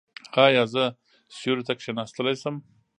ایا زه سیوري ته کیناستلی شم؟